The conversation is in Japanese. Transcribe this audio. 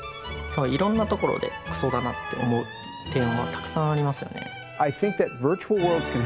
いろんなところでクソだなって思う点はたくさんありますよね。